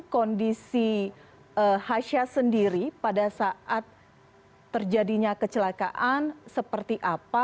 kondisi hasha sendiri pada saat terjadinya kecelakaan seperti apa